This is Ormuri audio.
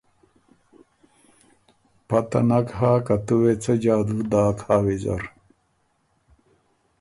پته نک هۀ که ”تُو وې څۀ جادو داک ویزر“